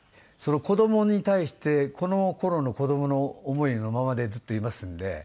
子供に対してこの頃の子供の思いのままでずっといますんで。